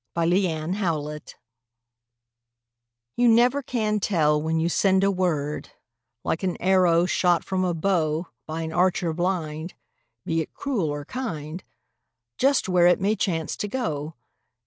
YOU NEVER CAN TELL You never can tell when you send a word, Like an arrow shot from a bow By an archer blind, be it cruel or kind, Just where it may chance to go!